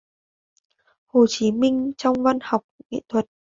Hồ Chí Minh trong văn học, nghệ thuật